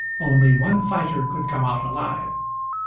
Only one fighter could come out alive.